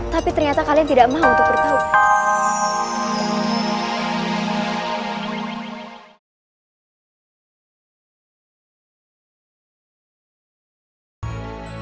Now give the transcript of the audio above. tapi ternyata kalian tidak mau untuk bertaut